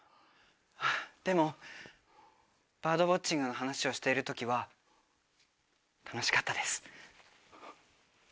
⁉でもバードウオッチングの話をしている時は楽しかったです。